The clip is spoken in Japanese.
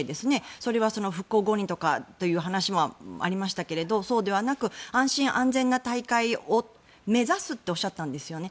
それは復興五輪とかという話もありましたが、そうではなく安心安全の大会を目指すっておっしゃったんですよね。